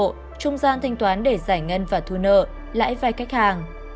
trung gian thanh toán để giải ngân và thu nợ lãi vai khách hàng